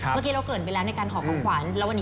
เมื่อกี้เราเกริ่นไปแล้วในการขอของขวัญ